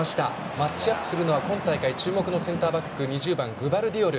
マッチアップするのは今大会注目のセンターバック２０番、グバルディオル。